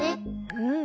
うん。